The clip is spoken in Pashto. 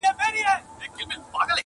بيزو ناسته وه خاوند ته يې كتله.!